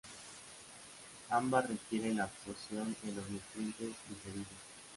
Ambas requieren la absorción de los nutrientes digeridos.